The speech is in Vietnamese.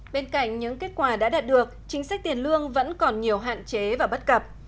bên cạnh những kết quả đã đạt được chính sách tiền lương vẫn còn nhiều hạn chế và bất cập